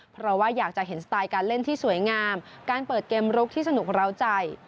เพราะว่าอยากจะเห็นสไตล์การเล่นที่สวยงามการเปิดเกมลุกที่สนุกร้าวใจ